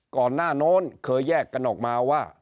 ก่อนหน้าโน้นเคยแยกกันออกมาว่า